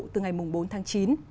từ ngày bốn tháng chín